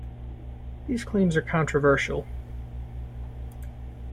These claims are controversial.